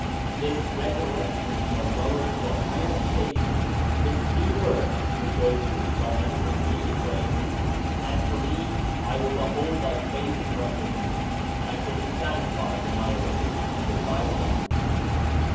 This resurrection from a lower to a higher station, this new birth, re joices the Psalmist when he exclaims, ''As for me I will behold thy face in righteousness: I shall be satis fied, when I awake, with thy likeness/' (Ps.